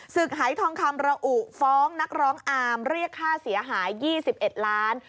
หายทองคำระอุฟ้องนักร้องอาร์มเรียกค่าเสียหาย๒๑ล้าน